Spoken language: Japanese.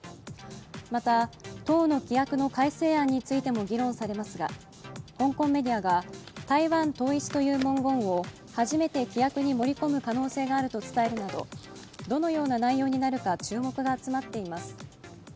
また、党の規約の改正案についても議論されますが香港メディアが、台湾統一という文言を初めて規約に盛り込む可能性があると伝えるなどどのような内容になるか注目が集まっています。